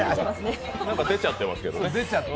何か出ちゃってますけどね。